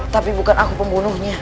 tapi bukan aku pembunuhnya